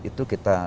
itu kita salurkan